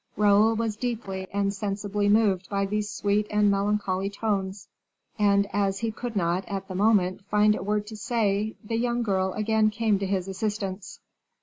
Raoul was deeply and sensibly moved by these sweet and melancholy tones; and as he could not, at the moment, find a word to say, the young girl again came to his assistance.